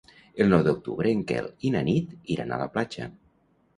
El nou d'octubre en Quel i na Nit iran a la platja.